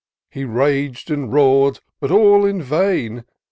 He raged and roar'd, but all in vain.